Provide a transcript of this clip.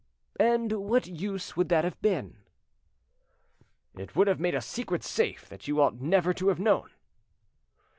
"And what use would that have been?" "It would have made a secret safe that you ought never to have known."